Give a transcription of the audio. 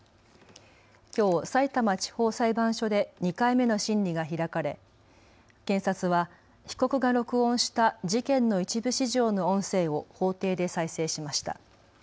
きょう、さいたま地方裁判所で２回目の審理が開かれ検察は被告が録音した事件の一部始終の音声を法廷で再生しました。